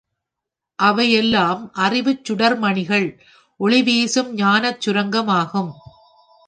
அவையெல்லாம் அறிவுச் சுடர்மணிகள் ஒளிவீசும் ஞானச் சுரங்கம் ஆகும்.